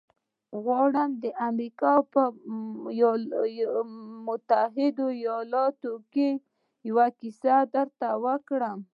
غواړم د امریکا په متحدو ایالتونو کې یوه کیسه درته وکړم